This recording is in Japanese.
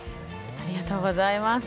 ありがとうございます。